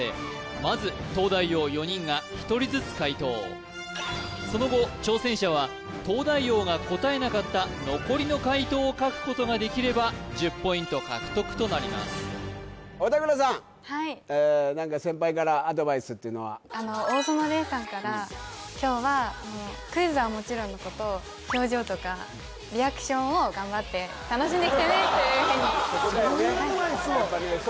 まず東大王４人が１人ずつ解答その後挑戦者は東大王が答えなかった残りの解答を書くことができれば１０ポイント獲得となります小田倉さん何か先輩からアドバイスっていうのはあの大園玲さんから今日はクイズはもちろんのこと楽しんできてねっていうふうにそこだよね